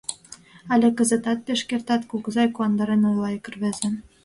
— Але кызытат пеш кертат, кугызай, — куандарен ойла ик рвезе.